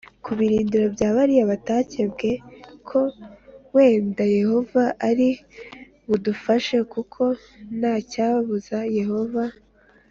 ku birindiro bya bariya batakebwe k Wenda Yehova ari budufashe kuko nta cyabuza Yehova